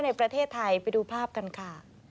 ในประเทศไทยไปดูภาพกันค่ะ